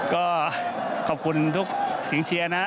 ก็ขอบคุณทุกเสียงเชียร์นะ